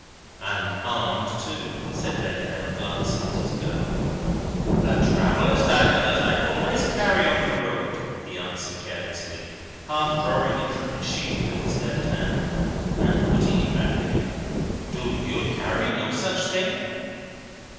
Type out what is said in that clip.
"And armed too," said Vendale, glancing at his girdle. "A traveller's dagger, that I always carry on the road," he answered carelessly, half drawing it from its sheath with his left hand, and putting it back again. "Do you carry no such thing?"